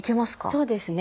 そうですね。